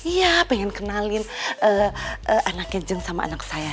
ya pengen kenalin anaknya jeng sama anak saya